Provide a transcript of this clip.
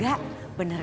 apa dia tuh